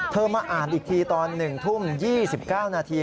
มาอ่านอีกทีตอน๑ทุ่ม๒๙นาที